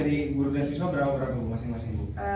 dari guru dan siswa berapa orang masing masing bu